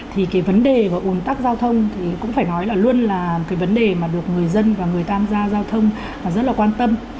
thì cái vấn đề của ồn tắc giao thông thì cũng phải nói là luôn là cái vấn đề mà được người dân và người tham gia giao thông rất là quan tâm